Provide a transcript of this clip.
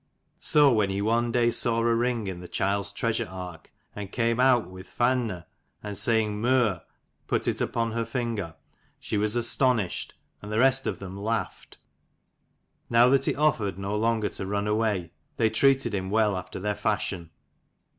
So when he one day saw a ring in the child's treasure ark, and came out with "Fainne," and saying "Meur" put it upon her ringer, she was astonished, and the rest of them laughed. Now that he offered no longer to run away, they treated him well after their fashion.